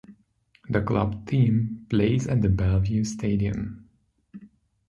The club team plays at the Bellevue stadium.